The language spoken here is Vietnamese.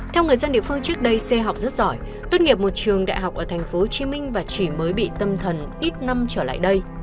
theo người dân địa phương trước đây xe học rất giỏi tốt nghiệp một trường đại học ở tp hcm và chỉ mới bị tâm thần ít năm trở lại đây